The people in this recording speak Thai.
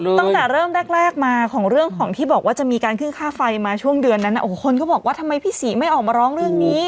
ต้องแต่เริ่มแรกมาของเรื่องของที่บอกว่าจะมีการเกื้อบฆ่าไฟมาช่วงเดือนนั้นคนก็บอกว่าทำไมพี่สีไม่ออกมาร้องลีว